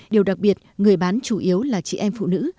điều đặc biệt người bán chủ yếu là chị em phụ nữ